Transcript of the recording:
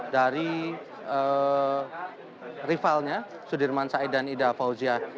dari rivalnya sudirman said dan ida fauzia